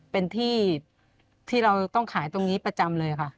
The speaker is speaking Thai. เป็นที่ที่เราต้องขายตรงนี้ประจำเลยค่ะ